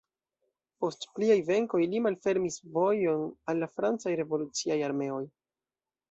Post pliaj venkoj li malfermis vojon al la francaj revoluciaj armeoj.